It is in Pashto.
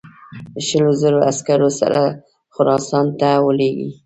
شلو زرو عسکرو سره خراسان ته ولېږي.